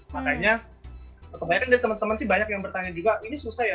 makanya kebanyakan dari teman teman sih banyak yang bertanya juga ini susah ya